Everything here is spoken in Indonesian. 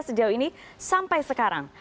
sejauh ini sampai sekarang